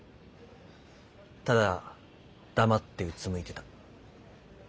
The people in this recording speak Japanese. ただ黙ってうつむいてた。